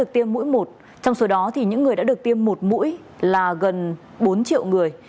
trong số người đã được tiêm một mũi là gần bốn triệu người